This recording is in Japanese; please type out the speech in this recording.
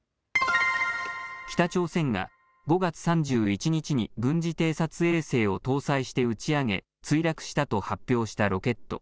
北朝鮮が５月３１日に軍事偵察衛星を搭載して打ち上げ墜落したと発表したロケット。